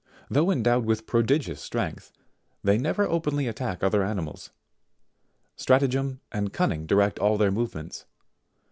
Though endowed with prodigious strength, they never openly attack other animals ; stratagem and cunning direct all their movements.